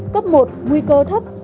cấp một nguy cơ thấp